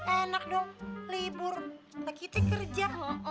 enak dong libur kekitik kerja